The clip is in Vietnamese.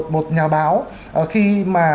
một nhà báo khi mà